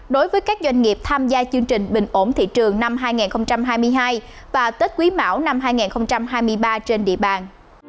đối với các doanh nghiệp tham gia chương trình bình ổn thị trường năm hai nghìn hai mươi hai và tết quý mão năm hai nghìn hai mươi ba trên địa bàn